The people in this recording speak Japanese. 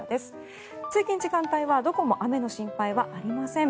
通勤時間帯はどこも雨の心配はありません。